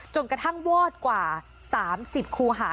จนกระทั่งวอดกว่าสามสิบครูหา